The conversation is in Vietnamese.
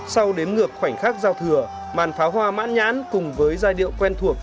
sau đếm ngược khoảnh khắc giao thừa màn pháo hoa mãn nhãn cùng với giai điệu quen thuộc